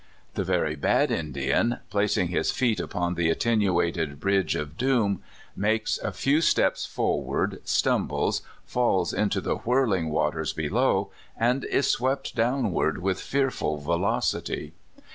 The very bad Indian, placing his feet upon the attenuated bridge of doom, makes a few steps for 138 CALIFORNIA SKETCHES. ward, stumbles, falls into the whirling waters be low, and is swept downward with fearful velocity.